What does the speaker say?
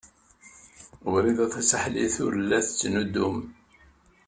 Wrida Tasaḥlit ur la tettnuddum.